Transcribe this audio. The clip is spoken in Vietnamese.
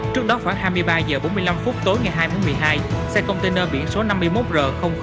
trước đó khoảng hai mươi ba giờ bốn mươi năm phút tối ngày hai một mươi hai xe container biển số năm mươi một r bốn trăm sáu mươi chín